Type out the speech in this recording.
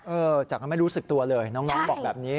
จากนั้นไม่รู้สึกตัวเลยน้องบอกแบบนี้